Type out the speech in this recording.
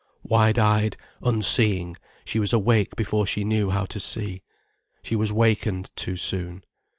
Wide eyed, unseeing, she was awake before she knew how to see. She was wakened too soon.